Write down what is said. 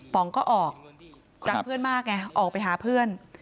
ป๋องก็ออกรักเพื่อนมากไงออกไปหาเพื่อน